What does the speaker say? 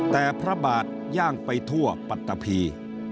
แต่พระบาทย่างไปทั่วปัตตะพี